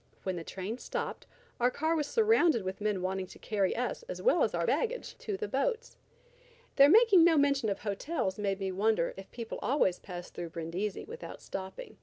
When the train stopped, our car was surrounded with men wanting to carry us as well as our baggage to the boats. Their making no mention of hotels led me to wonder if people always passed through Brindisi without stopping.